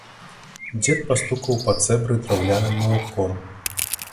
Дзед пастукаў па цэбры драўляным малатком.